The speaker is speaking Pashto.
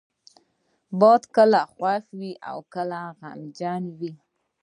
باد کله خوښ وي، کله غمجنه وي